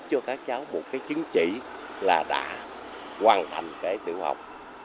để cho các cháu một cái chứng chỉ là đã hoàn thành cái tự học